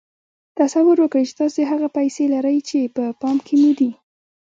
تصور وکړئ چې تاسې هغه پيسې لرئ چې په پام کې مو دي.